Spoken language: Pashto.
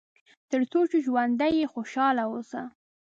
تر څو چې ژوندی یې خوشاله اوسه.